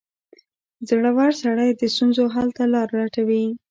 • زړور سړی د ستونزو حل ته لاره لټوي.